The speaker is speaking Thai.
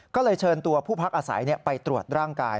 ก็เลยเชิญตัวผู้พักอาศัยไปตรวจร่างกาย